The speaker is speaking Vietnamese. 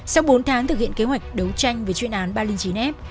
sau bốn tháng thực hiện kế hoạch đấu tranh với chuyên án ba trăm linh chín f